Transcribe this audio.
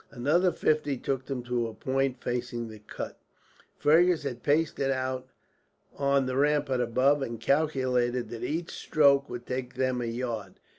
Another fifty took them to a point facing the cut. Fergus had paced it on the rampart above, and calculated that each stroke would take them a yard.